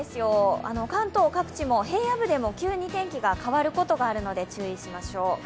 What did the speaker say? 関東各地も平野部でも急に天気が変わることがあるので、注意しましょう。